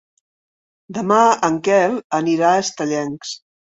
Demà en Quel anirà a Estellencs.